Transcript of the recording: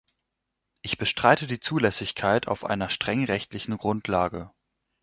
Ich bestreite die Zulässigkeit auf einer streng rechtlichen Grundlage.